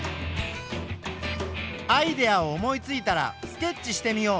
アイデアを思いついたらスケッチしてみよう。